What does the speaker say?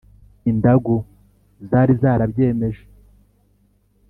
indagu zari zarabyemeje.